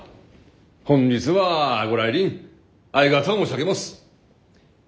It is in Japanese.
本日はご来臨ありがとう申し上げます。